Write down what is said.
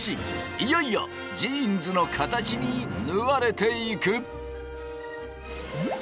いよいよジーンズの形に縫われていく。